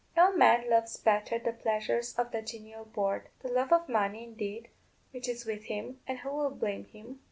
No man loves better the pleasures of the genial board. The love of money, indeed, which is with him (and who will blame him?)